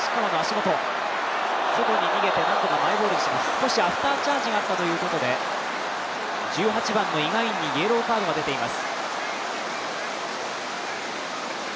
少しアフターチャージがあったということで１８番のイ・ガンインにイエローカードが出ています。